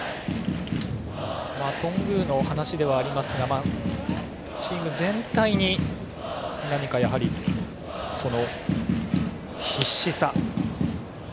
頓宮の話ではありますがチーム全体に何か必死さ